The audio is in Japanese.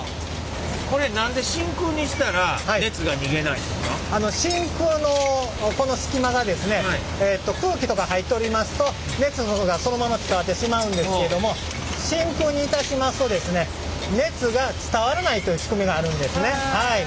これ真空のこの隙間がですね空気とか入っておりますと熱がそのまま伝わってしまうんですけれども真空にいたしますと熱が伝わらないという仕組みがあるんですね。